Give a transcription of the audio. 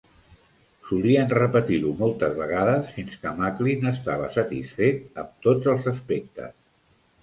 Solien repetir-ho moltes vegades fins que Macklin estava satisfet amb tots els aspectes.